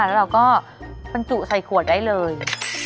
แล้วเราก็บรรจุใส่ขวดได้เลย